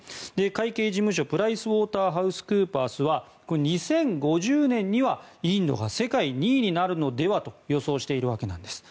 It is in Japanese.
会計事務所プライスウォーターハウスクーパースは２０５０年にはインドが世界２位になるのではと予想しているわけなんです。